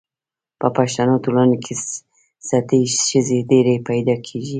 په پښتنو ټولنو کي ستۍ ښځي ډیري پیدا کیږي